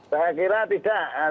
saya kira tidak